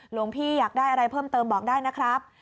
หลวงพี่อยากได้อะไรเพิ่มเติมบอกได้นะครับ